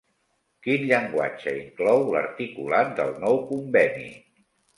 Quin llenguatge inclou l'articulat del nou conveni?